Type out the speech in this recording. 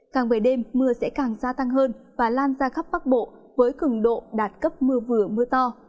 càng về đêm mưa sẽ càng gia tăng hơn và lan ra khắp bắc bộ với cứng độ đạt cấp mưa vừa mưa to